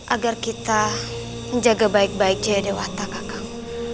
agar kita menjaga baik baik jaya dewatakakamu